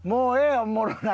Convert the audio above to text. おもろない。